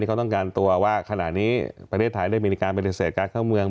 เขาต้องการตัวว่าขณะนี้ประเทศไทยได้มีการปฏิเสธการเข้าเมือง